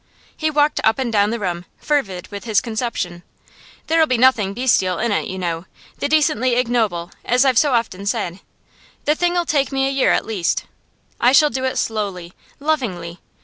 He walked up and down the room, fervid with his conception. 'There'll be nothing bestial in it, you know. The decently ignoble as I've so often said. The thing'll take me a year at least. I shall do it slowly, lovingly.